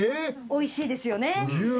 おいしいですよね。